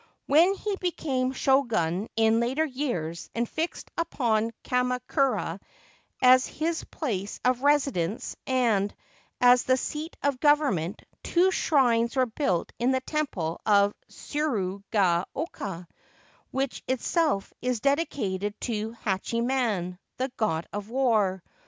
When he became Shogun in later years, and fixed upon Kamakura as his place of residence and as the seat of government, two shrines were built in the temple of Tsuru ga oka, which itself is dedicated to Hachiman, the God of War.